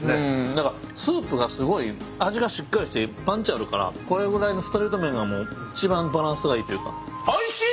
何かスープがすごい味がしっかりしてパンチあるからこれぐらいのストレート麺が一番バランスがいいというか。